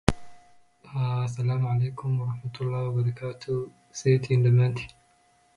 In people with treatment-refractory psychosis, a clozapine trial should be considered.